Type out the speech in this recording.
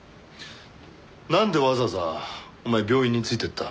なんでわざわざお前病院について行った？